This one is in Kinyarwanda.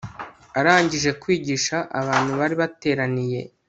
arangije kwigisha, abantu bari bateraniye